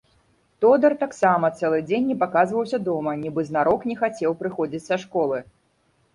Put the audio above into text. Тодар таксама цэлы дзень не паказваўся дома, нібы знарок не хацеў прыходзіць са школы.